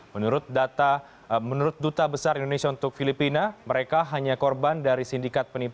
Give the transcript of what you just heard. menurut duta besar indonesia untuk filipina mereka hanya korban dari sindikat penipuan